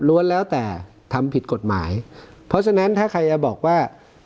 แล้วแต่ทำผิดกฎหมายเพราะฉะนั้นถ้าใครจะบอกว่า